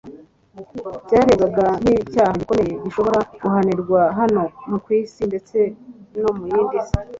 byarebwaga nk'icyaha gikomeye gishobora guhanirwa hano ku isi ndetse no mu yindi si;